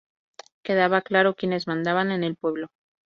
Quedaba claro quienes mandaban en el pueblo.